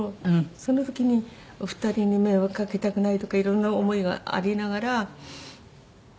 その時にお二人に迷惑掛けたくないとかいろんな思いがありながら。